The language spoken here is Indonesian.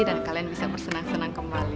dan kalian bisa bersenang senang kembali